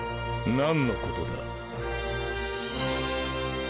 何のことだ？